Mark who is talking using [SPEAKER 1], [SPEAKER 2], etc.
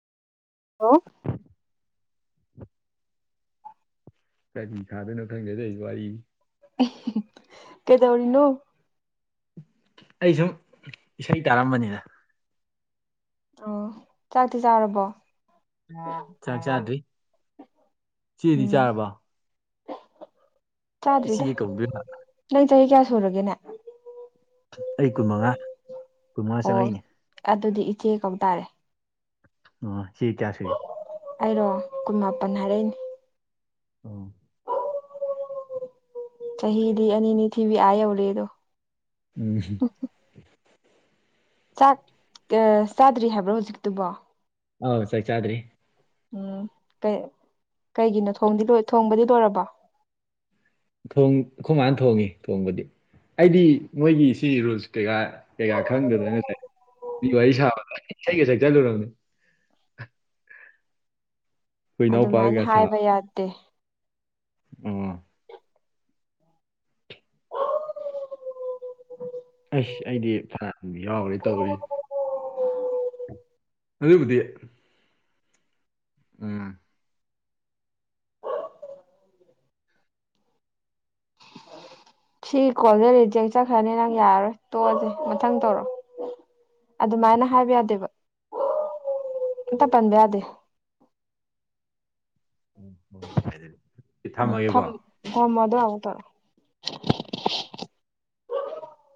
[SPEAKER 1] [unintelligible]
[SPEAKER 2] ꯀꯔꯤ ꯁꯥꯗꯣꯏꯅꯣ ꯈꯪꯗꯦ ꯇꯧꯖ ꯋꯥꯔꯤ
[SPEAKER 1] ꯀꯩꯗꯧꯔꯤꯅꯣ
[SPEAKER 2] ꯑꯩ ꯁꯨꯝ ꯏꯁꯩ ꯇꯥꯔꯝꯕꯅꯤꯅ
[SPEAKER 1] ꯑꯣ ꯆꯥꯛꯇꯤ ꯆꯥꯔꯕꯣ
[SPEAKER 2] ꯆꯥꯛ ꯆꯥꯗ꯭ꯔꯤ ꯆꯦꯗꯤ
[SPEAKER 1] ꯎꯝ
[SPEAKER 2] ꯆꯥꯔꯕ
[SPEAKER 1] ꯆꯥꯗ꯭ꯔꯤꯗ
[SPEAKER 2] ꯏꯆꯦ ꯀꯧꯗꯣꯏꯕ
[SPEAKER 1] ꯅꯪ ꯆꯍꯤ ꯀꯌꯥ ꯁꯨꯔꯒꯦꯅꯦ
[SPEAKER 2] ꯑꯩ ꯀꯨꯟ ꯃꯉꯥ ꯀꯨꯟꯃꯉꯥ
[SPEAKER 1] ꯑꯣ
[SPEAKER 2] ꯆꯪꯉꯛꯏꯅꯦ
[SPEAKER 1] ꯑꯗꯨꯗꯤ ꯏꯆꯦ ꯀꯧꯇꯥꯔꯦ
[SPEAKER 2] ꯑꯣ ꯁꯤ ꯀꯌꯥꯁꯨ
[SPEAKER 1] ꯑꯩꯔꯣ ꯀꯨꯟ ꯃꯥꯄꯟ ꯍꯥꯏꯔꯛꯏꯅꯦ
[SPEAKER 2] ꯑ
[SPEAKER 1] ꯆꯍꯤꯗꯤ ꯑꯅꯤꯅꯤ ꯊꯤꯕꯤ ꯑꯥ ꯌꯧꯔꯦꯗꯣ
[SPEAKER 2] ꯎ
[SPEAKER 1] ꯆꯥꯛ ꯆꯥꯗ꯭ꯔꯤ ꯍꯥꯏꯕ꯭ꯔꯣ ꯍꯧꯖꯤꯛꯇꯨꯕꯣ
[SPEAKER 2] ꯑꯥꯎ ꯁꯣ ꯆꯥꯗ꯭ꯔꯤ
[SPEAKER 1] ꯎꯝ ꯀꯩ ꯀꯩꯒꯤꯅꯣꯗꯤ ꯂ ꯊꯣꯡꯕꯗꯤ ꯂꯣꯏꯔꯕ
[SPEAKER 2] ꯊ ꯑꯩꯈꯣꯏ ꯃꯥꯥꯟ ꯊꯣꯡꯉꯤ ꯊꯣꯡꯕꯗꯤ ꯑꯩꯗꯤ ꯃꯣꯏꯒꯤ ꯁꯤ ꯔꯨꯜꯁ ꯀꯩꯀꯥ ꯀꯩꯀꯥ ꯈꯪꯗꯗꯅ ꯉꯁꯥꯏ ꯃꯤ ꯋꯥꯔꯤ ꯁꯥꯕ ꯏꯁꯩꯒ ꯁ ꯆꯠꯂꯨꯔꯅꯤ ꯑꯩꯈꯣꯏ
[SPEAKER 1] ꯑꯗꯨꯃꯥꯏꯅ
[SPEAKER 2] ꯏꯅꯥꯎꯄꯥꯒ
[SPEAKER 1] ꯍꯥꯏꯕ
[SPEAKER 2] ꯁꯥꯕ
[SPEAKER 1] ꯌꯥꯗꯦ
[SPEAKER 2] ꯑꯣ ꯑꯩꯁ ꯑꯩꯗꯤ ꯐꯗꯤ ꯌꯥꯎꯔꯤ ꯇꯧꯔꯤ
[SPEAKER 1] ꯑ
[SPEAKER 2] ꯑꯗꯨꯕꯨꯗꯤꯦ ꯎꯝ
[SPEAKER 1] ꯁꯤ ꯀꯣꯜꯗꯦꯔ ꯆꯦꯛ ꯆꯠꯈ꯭ꯔꯅꯤ ꯅꯪ ꯌꯥꯔꯔꯣꯏ ꯇꯣꯛꯑꯁꯦ ꯃꯊꯪ ꯇꯧꯔꯣ ꯑꯗꯨꯃꯥꯏꯅ ꯍꯥꯏꯕ ꯌꯥꯗꯦꯕ ꯑꯝꯇ ꯄꯟꯕ ꯌꯥꯗꯦ
[SPEAKER 2] ꯎꯝ ꯍꯣꯏ ꯑꯗꯨꯗꯤ ꯁꯤ ꯊꯝꯃꯒꯦꯀꯣ
[SPEAKER 1] ꯍꯃꯗꯗ